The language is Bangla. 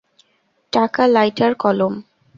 টাকা, লাইটার, কলম।